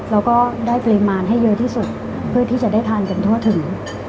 เราก็ได้ปริมาณให้เยอะที่สุดเพื่อที่จะได้ทานกันทั่วถึง